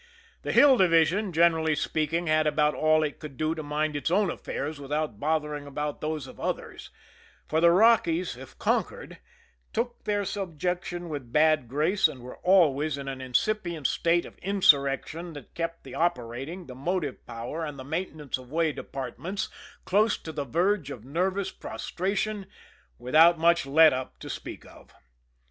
The Hill Division, generally speaking, had about all it could do to mind its own affairs without bothering about those of others', for the Rockies, if conquered, took their subjection with bad grace and were always in an incipient state of insurrection that kept the operating, the motive power and the maintenance of way departments close to the verge of nervous prostration without much let up to speak of.